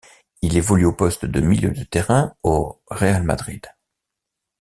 Il évolue au poste de milieu de terrain au Real Madrid.